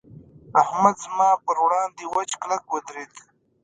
احمد زما پر وړاند وچ کلک ودرېد.